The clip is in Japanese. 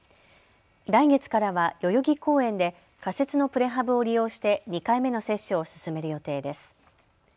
来月からは代々木公園で仮設のプレハブを利用して２回目の接種を進める予定です。